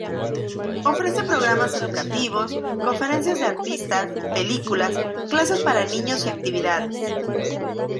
Ofrece programas educativos, conferencias de artistas, películas, clases para niños y actividades.